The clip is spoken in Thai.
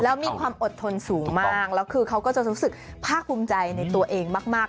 แล้วมีความอดทนสูงมากแล้วคือเขาก็จะรู้สึกภาคภูมิใจในตัวเองมาก